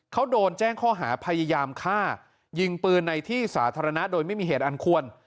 เขาโดนแจ้งข้อหาพยายามฆ่ายิงปืนในที่สาธารณะโดยไม่มีเหตุอันควร